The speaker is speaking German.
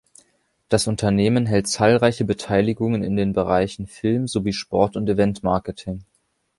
Das Unternehmen hält zahlreiche Beteiligungen in den Bereichen Film sowie Sport- und Event-Marketing.